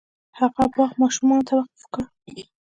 هغه باغ ماشومانو ته وقف کړ.